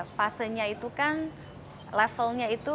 fasenya itu kan levelnya itu